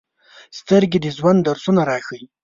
سترګې د ژوند درسونه راښيي